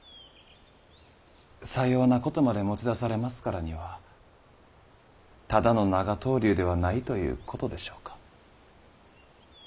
さようなことまで持ち出されますからにはただの長とう留ではないということでしょうか。